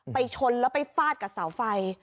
ชนแล้วไปฟาดกับเสาไฟ